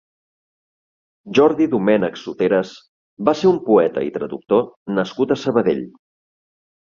Jordi Domènech Soteras va ser un poeta i traductor nascut a Sabadell.